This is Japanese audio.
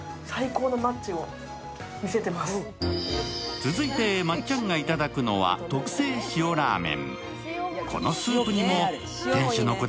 続いてまっちゃんがいただくのは特製しおらーめん。